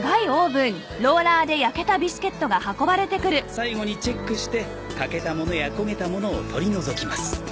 最後にチェックして欠けたものや焦げたものを取り除きます。